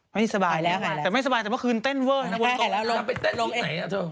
ไม่สบายแต่ไม่สบายแต่เมื่อคืนเต้นเวิร์ดทางน้ำวนโต๊ะไปเต้นลงไหนอะเจ้า